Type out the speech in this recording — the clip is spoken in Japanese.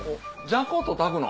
じゃこと炊くの？